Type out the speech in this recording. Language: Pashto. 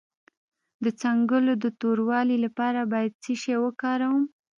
د څنګلو د توروالي لپاره باید څه شی وکاروم؟